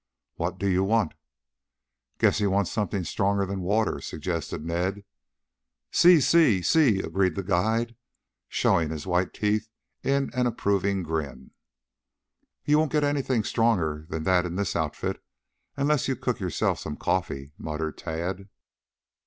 "What do you want?" "Guess he wants something stronger than water," suggested Ned. "Si, si, si," agreed the guide, showing his white teeth in an approving grin. "You won't get anything stronger than that in this outfit, unless you cook yourself some coffee," muttered Tad.